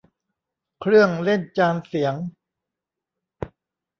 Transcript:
เครื่องเล่นจานเสียง